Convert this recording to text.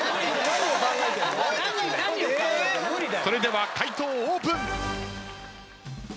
それでは解答オープン。